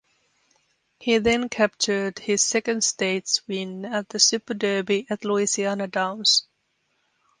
He then captured his second stakes win at the Super Derby at Louisiana Downs.